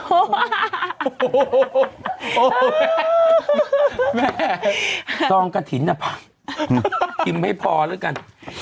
โอ้โหแม่ซองกระถิ่นน่ะพิมพ์ให้พอแล้วกัน